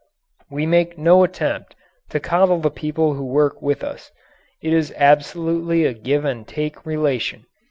We make no attempt to coddle the people who work with us. It is absolutely a give and take relation.